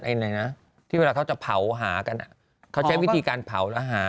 ไหนนะที่เวลาเขาจะเผาหากันเขาใช้วิธีการเผาแล้วหา